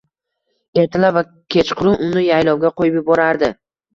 Ertalab va kechqurun uni yaylovga qoʻyib yuborardi.